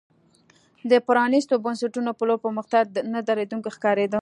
د پرانیستو بنسټونو په لور پرمختګ نه درېدونکی ښکارېده.